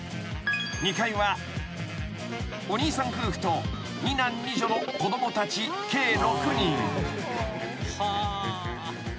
［お兄さん夫婦と２男２女の子供たち計６人］